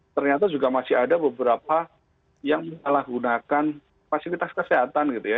ternyata juga masih ada beberapa yang menyalahgunakan fasilitas kesehatan gitu ya